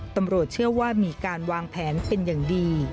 ตำรวจเชื่อว่ามีการวางแผนเป็นอย่างดี